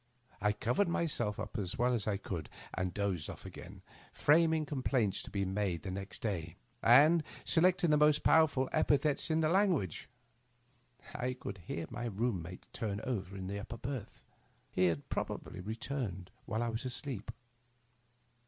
I covered myseK up as well as I could and dozed off agam, framing com plaints'to be made the next day, and selecting the most powerful epithets in the language. I could hear my room mate turn over in the upper berth. He had prob ably returned while I was asleep.